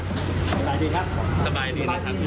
สบายดีครับสบายดีนะครับ